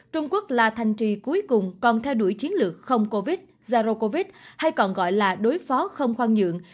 trung quốc là thành trì cuối cùng còn theo đuổi chiến lược không covid zaro covid hay còn gọi là đối phó không khoan nhượng